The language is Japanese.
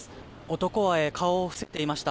男は顔を伏せていました。